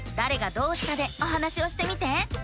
「どうした」でお話をしてみて！